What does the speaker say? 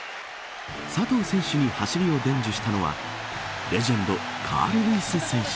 佐藤選手に走りを伝授したのはレジェンドカール・ルイス選手。